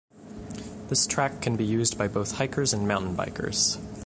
This track can be used both by hikers and mountain bikers.